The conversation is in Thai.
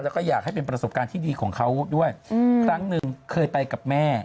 แล้วก็อยากให้เป็นประสบการณ์ที่ดีของเขาด้วยครั้งหนึ่งเคยไปกับแม่